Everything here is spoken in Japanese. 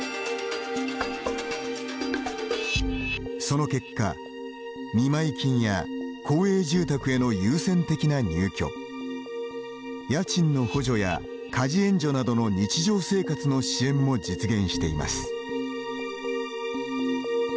その結果、見舞金や公営住宅への優先的な入居家賃の補助や家事援助などの日常生活の支援も実現しています。